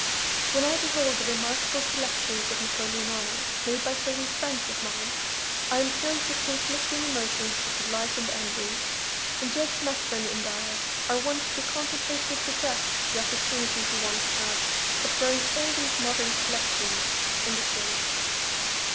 When I behold the remarkable collections of Napoleonana made by certain friends of mine I am filled with conflicting emotions of delight and envy, and Judge Methuen and I are wont to contemplate with regret the opportunities we once had of throwing all these modern collections in the shade.